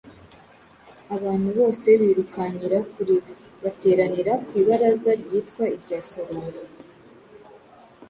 abantu bose birukankira kuri bo, bateranira ku ibaraza ryitwa irya Salomo,